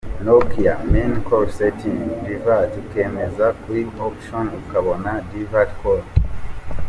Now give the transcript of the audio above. Nokia : menu-call setting –divert- ukemeza kuri option- ukabona Divert call.